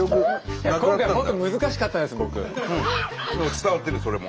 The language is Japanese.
伝わってるそれも。